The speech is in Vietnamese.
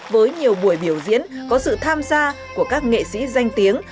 với nhiều buổi biểu diễn có sự tham gia của các nghệ sĩ danh tiếng